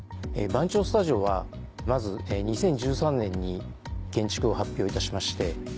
番町スタジオはまず２０１３年に建築を発表いたしまして